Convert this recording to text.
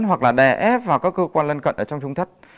hoặc là đè ép vào các cơ quan lân cận ở trong trung thất